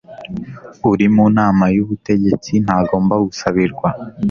uri mu nama y ubutegetsi ntagomba gusabirwa